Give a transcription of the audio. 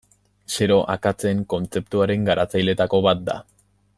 Zero akatsen kontzeptuaren garatzaileetako bat da.